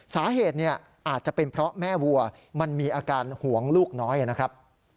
สาเหตุเนี่ยอาจจะเป็นเพราะแม่วัวมันมีอาการหวงลูกน้อยนะครับ